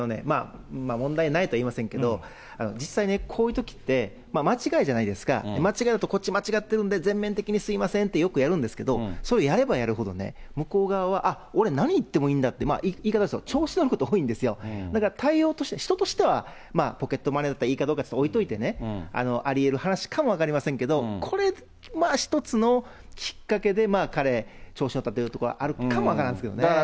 問題ないとは言いませんけれども、実際、こういうときって間違いじゃないですか、間違えると、こっち間違ってるんで、全面的にすみませんって、よくやるんですけど、それをやればやるほど、向こう側は、あっ、俺、何言ってもいいんだと、言い方悪いですけど、調子に乗ることが多いんですよ、対応として、人としてはポケットマネーならいいかどうかは置いといて、ありえる話かも分かりませんけれども、これまあ一つのきっかけで彼、調子乗ったというところはあるかもしれないですね。